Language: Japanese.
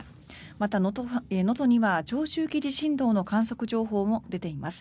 また、能登には長周期地震動の観測情報も出ています。